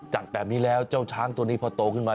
แบบนี้แล้วเจ้าช้างตัวนี้พอโตขึ้นมา